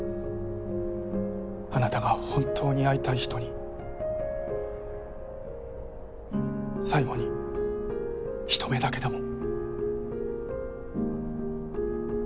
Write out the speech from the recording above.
あなたが本当に会いたい人に最後にひと目だけでも。